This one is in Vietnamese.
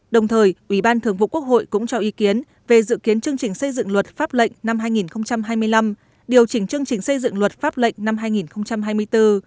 đồng thời ủy ban thường vụ quốc hội cũng cho ý kiến về dự kiến chương trình xây dựng luật pháp lệnh năm hai nghìn hai mươi năm điều chỉnh chương trình xây dựng luật pháp lệnh năm hai nghìn hai mươi bốn